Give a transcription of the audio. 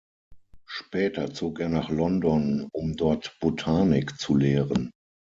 Später zog er nach London, um dort Botanik zu lehren.